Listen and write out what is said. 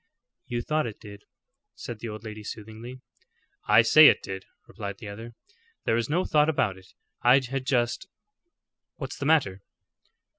"You thought it did," said the old lady soothingly. "I say it did," replied the other. "There was no thought about it; I had just What's the matter?"